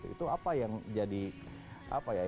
itu apa yang jadi apa ya